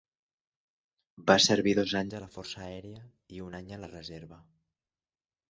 Va servir dos anys a la Força Aèria i un any a la reserva.